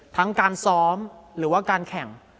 ทั้งการซ้อมหรือว่าการแข่ง